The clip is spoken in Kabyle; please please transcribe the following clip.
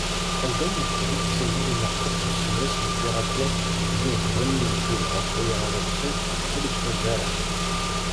Azal n tezlit simmal ineqqes s usemres n upirati deg yiẓeḍwan inmettiyen, ɣef waya, aḍebsi ur yettnuzu ara.